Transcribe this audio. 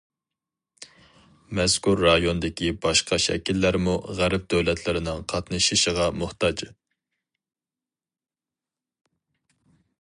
مەزكۇر رايوندىكى باشقا شەكىللەرمۇ غەرب دۆلەتلىرىنىڭ قاتنىشىشىغا موھتاج.